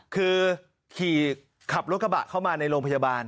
คือขี่ขับรถกระบะเข้ามาในโรงพยาบาล